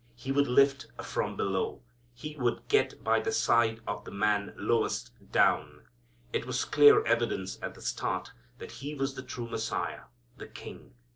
He would lift from below. He would get by the side of the man lowest down. It was clear evidence at the start that He was the true Messiah, the King.